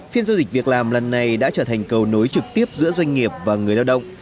phiên giao dịch việc làm lần này đã trở thành cầu nối trực tiếp giữa doanh nghiệp và người lao động